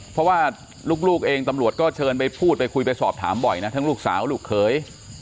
เพราะว่าลูกตำรวจก็เชิญไปพูดถามบ่อยนะลูกสาวลูกเคย